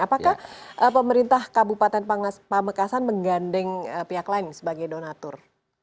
apakah pemerintah kabupaten pamekasan menggandeng pihak lain sebagai donatur